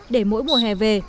để mỗi mùa hè về